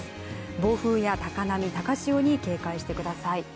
暴風や高波、高潮に警戒してください。